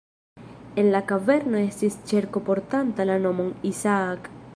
En la kaverno estis ĉerko portanta la nomon "Isaak".